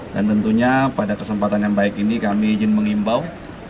dan tentunya pada kesempatan yang baik ini kami izin mengimbau